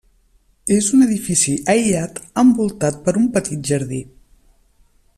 És un edifici aïllat envoltat per un petit jardí.